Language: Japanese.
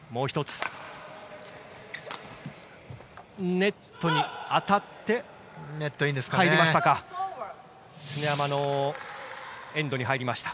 ネットに当たって入りました。